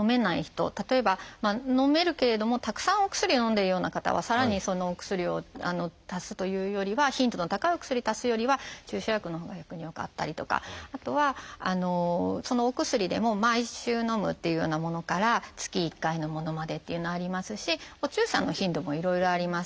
例えばのめるけれどもたくさんお薬をのんでいるような方はさらにお薬を足すというよりは頻度の高いお薬足すよりは注射薬のほうが逆に良かったりとかあとはお薬でも毎週のむっていうようなものから月１回のものまでっていうのありますしお注射の頻度もいろいろあります。